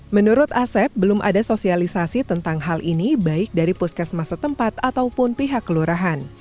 menurut asep belum ada sosialisasi tentang hal ini baik dari puskesmas setempat ataupun pihak kelurahan